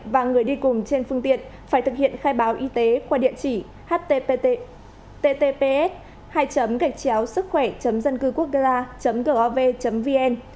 và người đi cùng trên phương tiện phải thực hiện khai báo y tế qua địa chỉ https sứckhoe dâncư grv gov vn